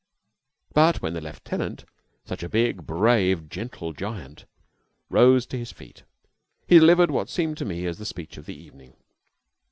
But when the lieutenant such a big, brave, gentle giant rose to his feet, he delivered what seemed to me as the speech of the evening.